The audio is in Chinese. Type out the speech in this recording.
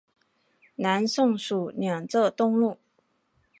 南宋属两浙东路。